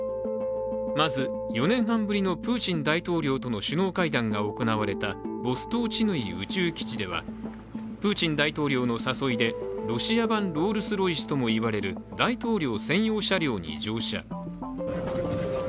まず、４年半ぶりのプーチン大統領との首脳会談が行われたボストーチヌイ宇宙基地ではプーチン大統領の誘いでロシア版ロールスロイスとも言われる大統領専用車両に乗車。